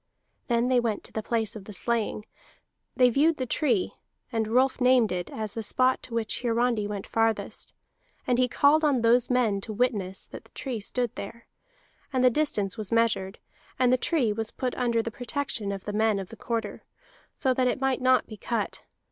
Then they went to the place of the slaying; they viewed the tree, and Rolf named it as the spot to which Hiarandi went farthest; and he called on those men to witness that the tree stood there; and the distance was measured, and the tree was put under the protection of the men of the Quarter, so that it might not be cut.